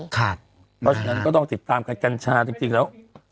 เพราะฉะนั้นก็ต้องติดตามกันกัญชาจริงแล้ว